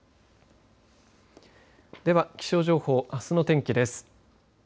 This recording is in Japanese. では気象情報、あすの天気です。